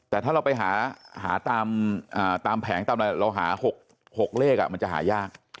แต่ถ้าเราไปหาตามแผงตามอะไรเราหา๖เลขมันจะหายาก